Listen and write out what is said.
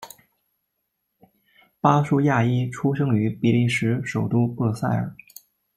巴舒亚伊出生于比利时首都布鲁塞尔。